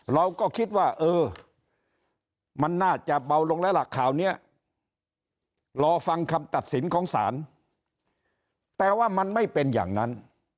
เราก็คิดว่าเออมันน่าจะเบาลงแล้วล่ะข่าวนี้รอฟังคำตัดสินของศาลแต่ว่ามันไม่เป็นอย่างนั้น